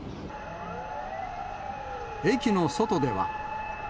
駅の外では。